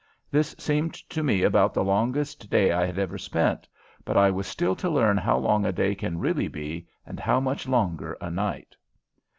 This seemed to me about the longest day I had ever spent, but I was still to learn how long a day can really be and how much longer a night!